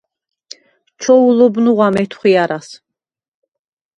ჩოულობ ნუღვა მეთხვიარას: